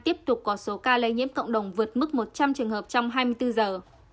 tiếp tục có số ca lây nhiễm cộng đồng vượt mức một trăm linh trường hợp trong hai mươi bốn giờ